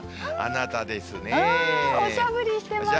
おしゃぶりしてますね。